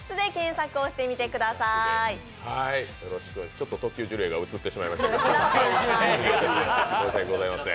ちょっと特級呪霊が映ってしまいましたけど、申しわけございません。